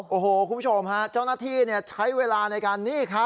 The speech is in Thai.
โอ้โหคุณผู้ชมฮะเจ้าหน้าที่ใช้เวลาในการนี่ครับ